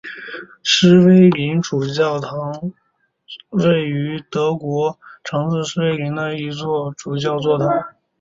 诗威林主教座堂是位于德国城市诗威林的一座主教座堂。